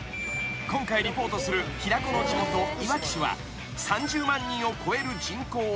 ［今回リポートする平子の地元いわき市は３０万人を超える人口を誇り］